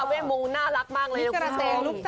เวกมงน่ารักมากเลยนะคุณผู้ชม